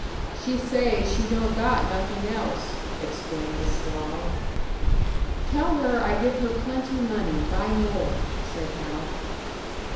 "She say she don't got nothing else," explained the Slav. "Tell her I give her plenty money buy more," said Hal.